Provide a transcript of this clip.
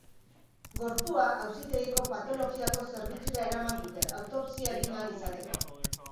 Gorpua auzitegiko patologiako zerbitzura eraman dute, autopsia egin ahal izateko.